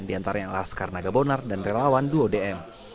di antara yang alaskar nagabonar dan relawan duo dm